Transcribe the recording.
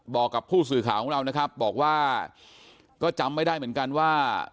บอกกับผู้สื่อข่าวของเรานะครับบอกว่าก็จำไม่ได้เหมือนกันว่า